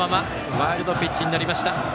ワイルドピッチになりました。